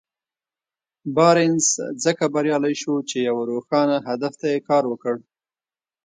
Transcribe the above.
بارنس ځکه بريالی شو چې يوه روښانه هدف ته يې کار وکړ.